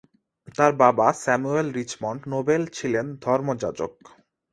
তার বাবা Samuel Richmond Nobel ছিলেন ধর্মযাজক।